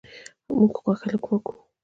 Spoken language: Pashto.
موږ غوښه له کومه کوو؟